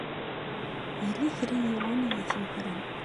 Yella kra n yiwen i yi-t-yukren.